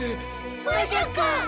まさか。